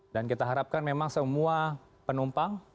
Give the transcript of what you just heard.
dan kita harapkan memang semua penumpang